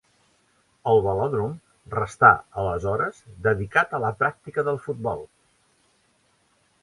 El velòdrom restà aleshores dedicat a la pràctica del futbol.